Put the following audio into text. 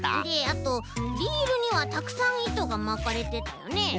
であとリールにはたくさんいとがまかれてたよね。